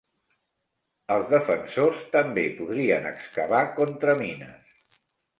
Els defensors també podrien excavar contramines.